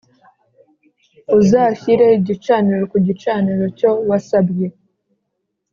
uzashyire igicaniro ku gicaniro cyo wasabwe